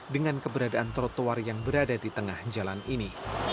dengan keberadaan trotoar yang berada di tengah jalan ini